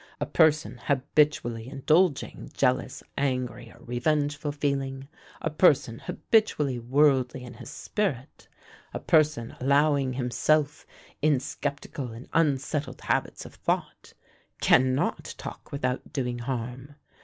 A person habitually indulging jealous, angry, or revengeful feeling a person habitually worldly in his spirit a person allowing himself in sceptical and unsettled habits of thought, cannot talk without doing harm.